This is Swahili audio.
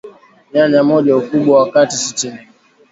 Nyanya moja ukubwa wa kati sitinig